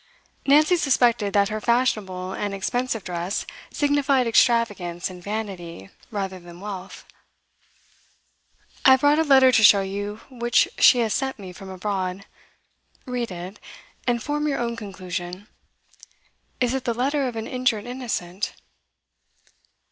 Nancy suspected that her fashionable and expensive dress signified extravagance and vanity rather than wealth. 'I have brought a letter to show you which she has sent me from abroad. Read it, and form your own conclusion. Is it the letter of an injured innocent?